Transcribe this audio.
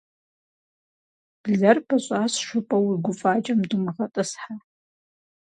Блэр «пӀыщӀащ» жыпӀэу уи гуфӀакӀэм думыгъэтӀысхьэ.